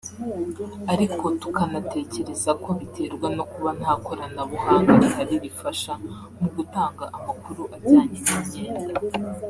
ariko tukanatekereza ko biterwa no kuba nta koranabuhanga rihari rifasha mu gutanga amakuru ajyanye n’imyenda